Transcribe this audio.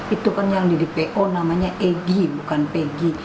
itu kan yang didi po namanya egi bukan peggy